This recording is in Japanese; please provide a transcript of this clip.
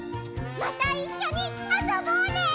またいっしょにあそぼうね！